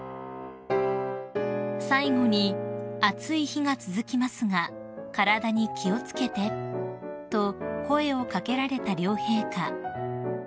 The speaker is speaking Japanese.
［最後に「暑い日が続きますが体に気を付けて」と声を掛けられた両陛下］